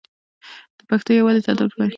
د پښتنو یووالی تل د بریا راز پاتې شوی دی.